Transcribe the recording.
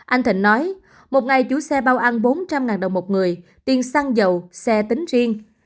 anh thịnh nói một ngày chủ xe bao ăn bốn trăm linh đồng một người tiền xăng dầu xe tính riêng